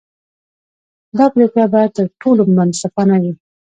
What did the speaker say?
دا پرېکړه به تر ټولو منصفانه وي.